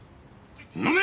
飲め！